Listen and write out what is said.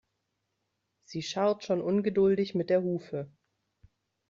Sie scharrt schon ungeduldig mit der Hufe.